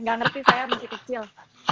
gak ngerti saya masih kecil